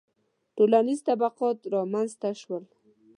• ټولنیز طبقات رامنځته شول